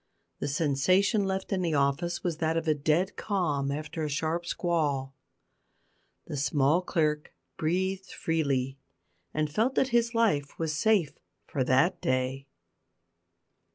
The sensation left in the office was that of a dead calm after a sharp squall. The small clerk breathed freely, and felt that his life was safe for that day.